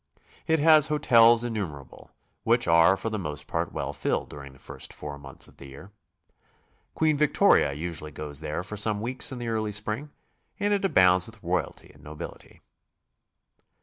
It has hotels innumerable, which are for the most part well filled during the first four months of the year. Queen Victoria usually goes there for some weeks in the early spring, and it abounds with royalty and nobility.